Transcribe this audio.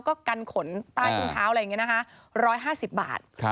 ก็กันขนลายอุ้งเท้าอะไรอย่างนี้นะคะ